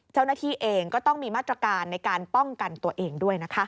เจ้าหน้าที่เองก็ต้องมีมาตรการในการป้องกันตัวเองด้วยนะคะ